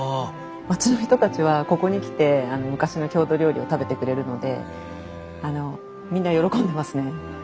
町の人たちはここに来て昔の郷土料理を食べてくれるのでみんな喜んでますね。